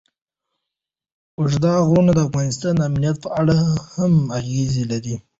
اوږده غرونه د افغانستان د امنیت په اړه هم اغېز لري.